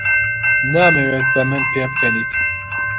نامەوێت بە من پێبکەنی.